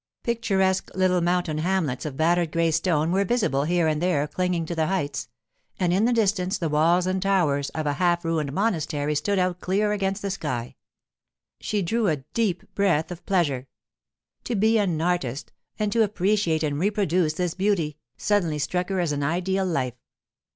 Picturesque little mountain hamlets of battered grey stone were visible here and there clinging to the heights; and in the distance the walls and towers of a half ruined monastery stood out clear against the sky. She drew a deep breath of pleasure. To be an artist, and to appreciate and reproduce this beauty, suddenly struck her as an ideal life.